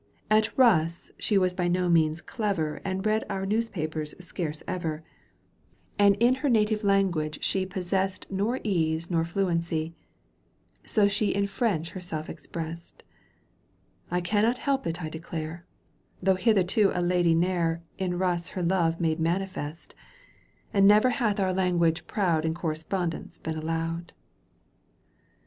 At Euss she was by no means clever And read our newspapers scarce ever. And in her native language she G Digitized by Сл OOQ 1С . 82 EUGENE ON^GUINE. canto Ш. Possessed nor ease nor fluency, So she in French herseK expressed. I cannot help it I declare, Though hitherto a lady ne'er In Euss her love made manifest, And never hath our language proud In correspondence been allowed.